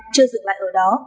chưa dừng lại ở đó